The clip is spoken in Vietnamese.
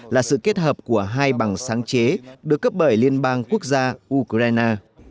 là sự kết hợp của hai bằng sáng chế được cấp bởi liên bang quốc gia ukraine